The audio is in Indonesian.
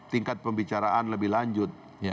tingkat pembicaraan lebih lanjut